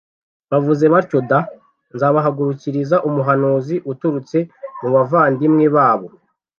Bavuze batyo d nzabahagurukiriza umuhanuzi uturutse mu bavandimwe babo